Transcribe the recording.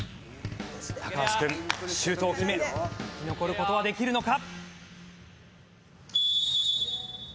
高橋くんシュートを決め生き残る事はできるのか？